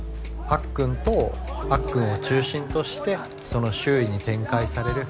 あっくんとあっくんを中心としてその周囲に展開される